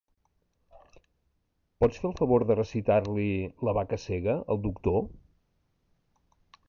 ¿Pots fer el favor de recitar-li La vaca cega al doctor?